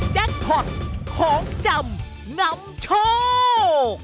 พอร์ตของจำนำโชค